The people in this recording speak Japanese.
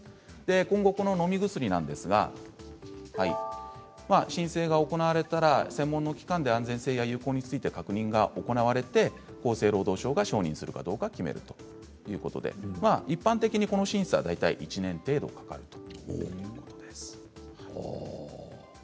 今後この、のみ薬なんですが申請が行われたら専門の機関で安全性や有効について確認が行われて厚生労働省が承認するかどうか決めるということで一般的に、この審査は大体１年程度かかるということです。